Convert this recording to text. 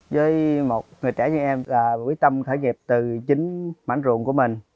với một người trẻ như em là quy tâm khởi nghiệp từ chính mảng ruộng của mình